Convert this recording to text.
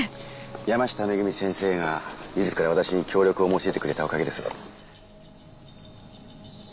山下めぐみ先生が自ら私に協力を申し出てくれたおかげですよ。